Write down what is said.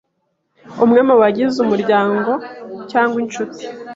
umwe mu bagize umuryango cyangwa incuti